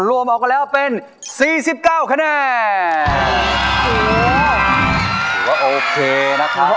รวมออกกันแล้วเป็นสี่สิบเก้าคะแนนโอ้โหถือว่าโอเคนะครับ